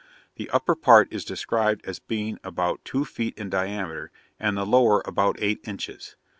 The upper part is described as being about two feet in diameter; and the lower about eight inches.